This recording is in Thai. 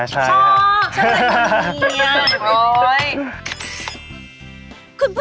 ชอบ